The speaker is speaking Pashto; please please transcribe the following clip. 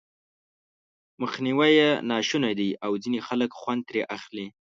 مخنيوی یې ناشونی دی او ځينې خلک خوند ترې اخلي.